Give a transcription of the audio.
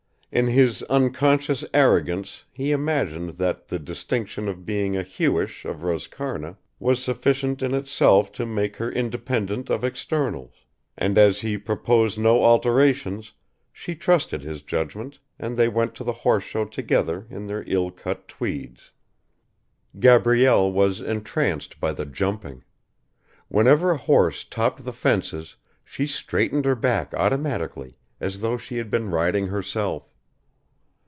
In his unconscious arrogance he imagined that the distinction of being a Hewish of Roscarna was sufficient in itself to make her independant of externals, and, as he proposed no alterations she trusted his judgment and they went to the Horse Show together in their ill cut tweeds. Gabrielle was entranced by the jumping. Whenever a horse topped the fences she straightened her back automatically as though she had been riding herself.